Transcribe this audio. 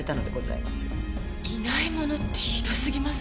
「いないもの」ってひどすぎます。